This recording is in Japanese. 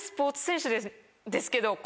ですけど。